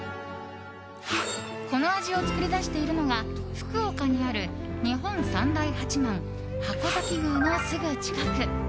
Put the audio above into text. この味を作り出しているのが福岡にある日本三大八幡筥崎宮のすぐ近く。